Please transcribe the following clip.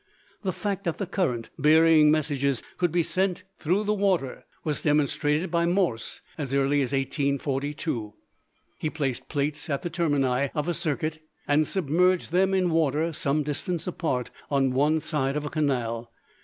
The fact that the current bearing messages could be sent through the water was demonstrated by Morse as early as 1842. He placed plates at the termini of a circuit and submerged them in water some distance apart on one side of a canal.